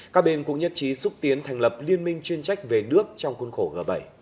các bên cũng nhất trí xúc tiến thành lập liên minh chuyên trách về nước trong khuôn khổ g bảy